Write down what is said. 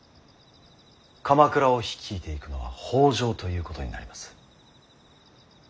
鎌倉を率いていくのは北条ということになります。